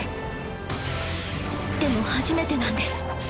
でも初めてなんです